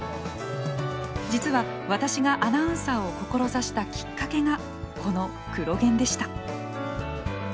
実は私がアナウンサーを志したきっかけがこの「クロ現」でした。